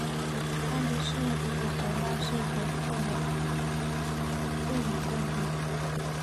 巴黎圣日耳曼是本届的卫冕冠军。